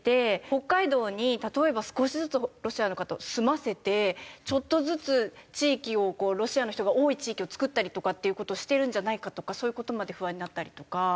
北海道に例えば少しずつロシアの方を住まわせてちょっとずつ地域をロシアの人が多い地域を作ったりとかっていう事をしているんじゃないかとかそういう事まで不安になったりとか。